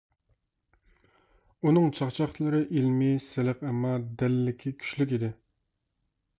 ئۇنىڭ چاقچاقلىرى ئىلمى، سىلىق، ئەمما دەللىكى كۈچلۈك ئىدى.